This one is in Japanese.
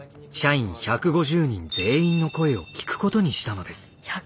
社員１５０人全員の声を聞くことにしたのです。